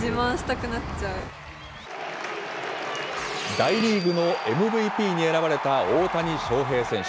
大リーグのＭＶＰに選ばれた大谷翔平選手。